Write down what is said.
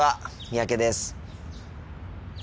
三宅です。